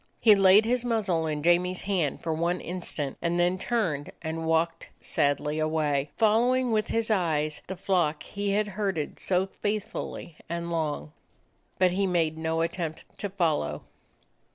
He laid his muzzle in Jamie's hand for one instant, and then turned and walked sadly away, following with his eyes the flock he had herded so faithfully and long. But he made no attempt to follow.